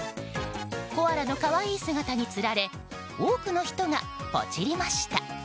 コアラの可愛い姿につられ多くの人がポチりました。